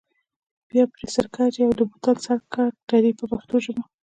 بیا پرې سرکه اچوئ او د بوتل سر کلک تړئ په پښتو ژبه.